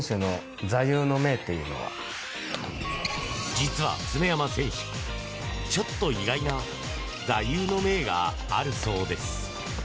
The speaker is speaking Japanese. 実は常山選手、ちょっと意外な座右の銘があるそうです。